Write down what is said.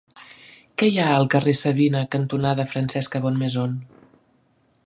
Què hi ha al carrer Savina cantonada Francesca Bonnemaison?